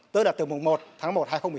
tức là từ mùng một tháng một hai nghìn một mươi